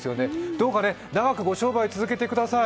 どうか長くご商売続けてください。